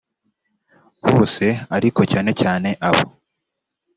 bose ariko cyane cyane abo